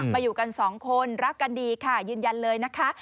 อยู่กันสองคนรักกันดีค่ะยืนยันเลยนะคะ